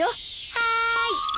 はい。